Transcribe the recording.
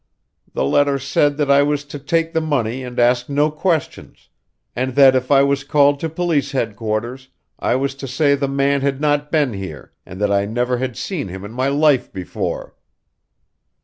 The letter said that I was to take the money and ask no questions, and that, if I was called to police headquarters, I was to say the man had not been here and that I never had seen him in my life before."